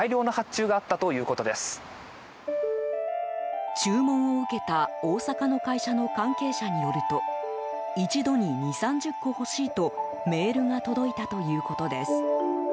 注文を受けた大阪の会社の関係者によると一度に２０３０個欲しいとメールが届いたということです。